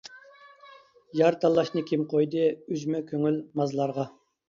يار تاللاشنى كىم قويدى، ئۈجمە كۆڭۈل مازلارغا.